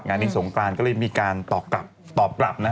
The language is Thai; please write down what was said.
งานนี้สงกรานก็เลยมีการตอบกลับตอบกลับนะ